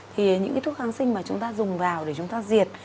thì những cái thuốc kháng sinh mà chúng ta dùng vào để chúng ta diệt